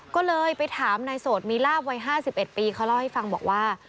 ก็เลยไปถามนายโสดมีลาบวัย๕๑ปีเขาเล่าให้ฟังบอกว่า